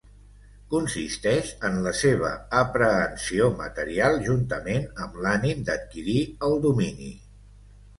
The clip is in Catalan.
Consisteix en la seva aprehensió material juntament amb l'ànim d'adquirir el domini.